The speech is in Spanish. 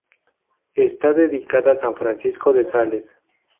Está dedicada a San Francisco de Sales.